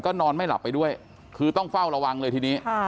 นอนไม่หลับไปด้วยคือต้องเฝ้าระวังเลยทีนี้